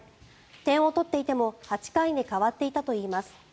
点を取っていても８回で代わっていたといいます。